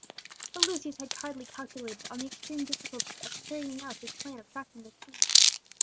But Lucius had hardly calculated on the extreme difficulty of carrying out his plan of tracking the thieves.